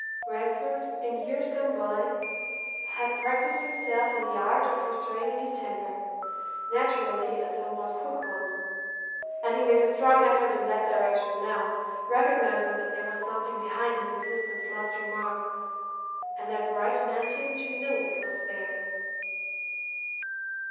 Ransford, in years gone by, had practised himself in the art of restraining his temper naturally a somewhat quick one. And he made a strong effort in that direction now, recognizing that there was something behind his assistant's last remark, and that Bryce meant him to know it was there.